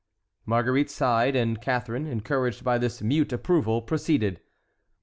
Marguerite sighed, and Catharine, encouraged by this mute approval, proceeded.